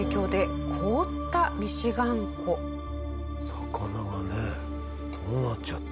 魚がねどうなっちゃって。